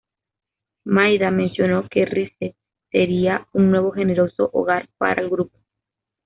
Maida mencionó que Rise sería "un nuevo generoso hogar" para el grupo.